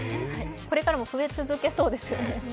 これからも増え続けそうですね。